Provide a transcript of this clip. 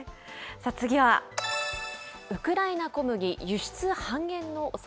次は、ウクライナ小麦、輸出半減